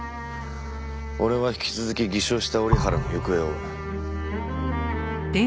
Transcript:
俺は引き続き偽証した折原の行方を追う。